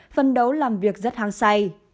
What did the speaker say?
phấn đấu làm việc rất hàng say